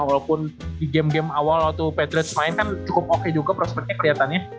walaupun di game game awal waktu patrick main kan cukup oke juga prospeknya kelihatannya